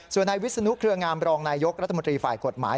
ส่วนนายวิศนุเครืองามรองนายยกรัฐมนตรีฝ่ายกฎหมาย